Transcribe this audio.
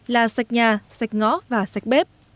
là sạch nhà sạch ngõ và sạch bếp